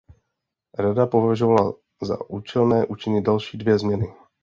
Rada považovala za účelné učinit další dvě změny.